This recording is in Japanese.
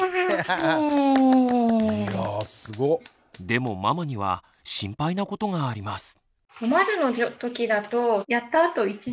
でもママには心配なことがあります。